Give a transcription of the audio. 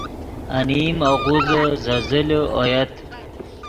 انیم آغوزے زیزلے اویت